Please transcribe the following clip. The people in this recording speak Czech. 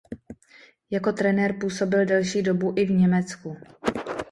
Jako trenér působil delší dobu i v Německu.